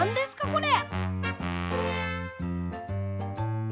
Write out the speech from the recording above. これ。